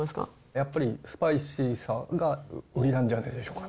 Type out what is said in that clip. やっぱりスパイシーさが売りなんじゃないでしょうか。